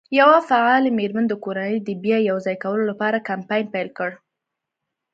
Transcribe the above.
یوه فعالې مېرمن د کورنۍ د بیا یو ځای کولو لپاره کمپاین پیل کړ.